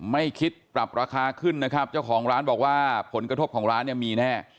ไม่คิดปรับราคาขึ้นนะครับเจ้าของร้านบอกว่าผลกระทบของร้านเนี่ยมีแน่